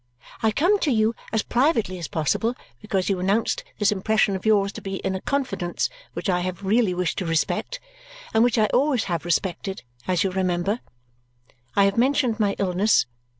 I come to you as privately as possible because you announced this impression of yours to me in a confidence which I have really wished to respect and which I always have respected, as you remember. I have mentioned my illness.